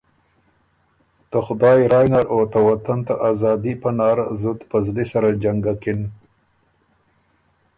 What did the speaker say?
ته خدایٛ رایٛ نر او ته وطن ته آزادي پناره زُت په زلی سره جنګکِن